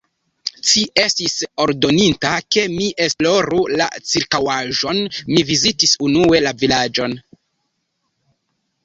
Ci estis ordoninta, ke mi esploru la ĉirkaŭaĵon; mi vizitis unue la vilaĝon.